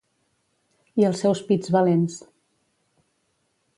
I els seus pits valents.